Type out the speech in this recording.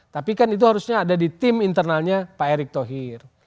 tapi kan itu harusnya ada di tim internalnya pak erick thohir